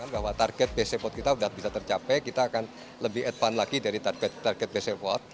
bahwa target bcv kita sudah bisa tercapai kita akan lebih advance lagi dari target bcv